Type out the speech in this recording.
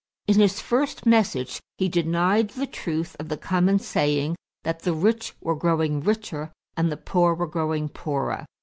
In his first message he denied the truth of the common saying that the rich were growing richer and the poor were growing poorer.